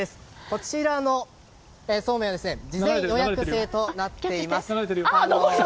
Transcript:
こちらのそうめん事前予約制となっています。